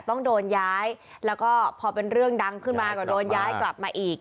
ต้องโดนย้ายแล้วก็พอเป็นเรื่องดังขึ้นมาก็โดนย้ายกลับมาอีก